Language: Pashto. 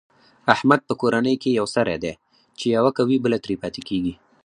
احمد په کورنۍ کې یو سری دی، چې یوه کوي بله ترې پاتې کېږي.